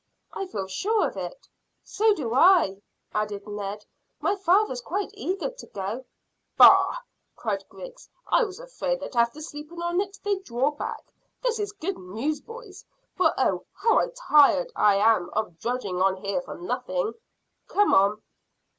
"I feel sure of it." "So do I," added Ned. "My father's quite eager to go." "Bagh!" cried Griggs. "I was afraid that after sleeping on it they'd draw back. This is good news, boys, for, oh, how tired I am of drudging on here for nothing! Come on."